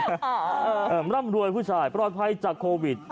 ร่ำรวยผู้ชายปลอดภัยจากโควิด